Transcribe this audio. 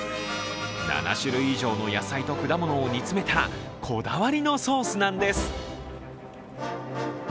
７種類以上の野菜と果物を煮詰めたこだわりのソースなんです。